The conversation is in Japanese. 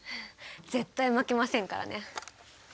絶対負けませんからね！